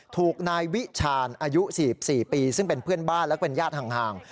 ถูกนายวิชาญอายุ๔๔ปีซึ่งเป็นเพื่อนบ้านและเป็นญาติห่าง